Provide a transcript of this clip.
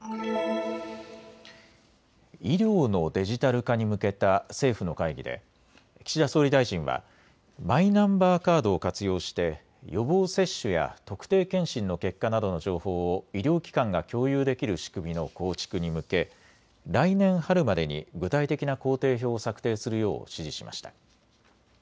医療のデジタル化に向けた政府の会議で岸田総理大臣はマイナンバーカードを活用して予防接種や特定健診の結果などの情報を医療機関が共有できる仕組みの構築に向け来年春までに具体的な工程表を策定するよう指示しました。